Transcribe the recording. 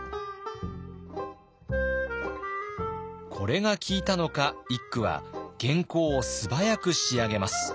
これが効いたのか一九は原稿を素早く仕上げます。